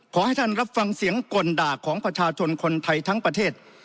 ขอให้ท่านรับฟังเสียงกลด่าของประชาชนคนไทยทั้งประเทศ